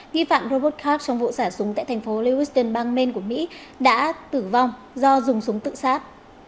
ghi phạm robot khắc trong vụ sả súng tại thành phố lewiston bang maine của mỹ đã tử vong do dùng súng tự sát